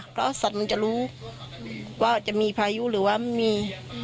เพราะสัตว์มันจะรู้ว่าจะมีพายุหรือว่ามันมี